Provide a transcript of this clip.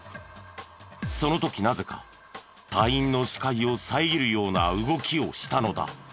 その時なぜか隊員の視界を遮るような動きをしたのだ。